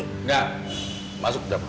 enggak masuk ke dapur